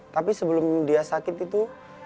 tapi sebelum dia sakit itu